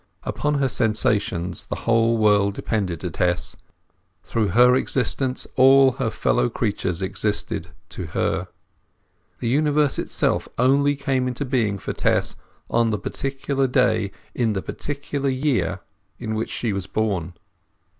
Upon her sensations the whole world depended to Tess; through her existence all her fellow creatures existed, to her. The universe itself only came into being for Tess on the particular day in the particular year in which she was born.